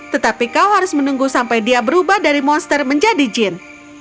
tetapi kau harus menunggu sampai dia berubah dari monster menjadi jin